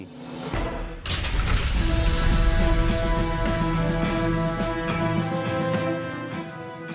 ส่วนที่จังหวัดตากเล่าหมุนจอนปิดประทึกวินาที